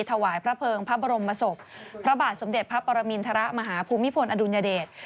ถวายพระเภิงพระบรมศพพระบาทสมเด็จพระปรมินทรมาฮภูมิพลอดุลยเดช